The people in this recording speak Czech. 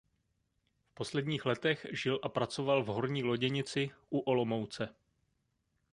V posledních letech žil a pracoval v Horní Loděnici u Olomouce.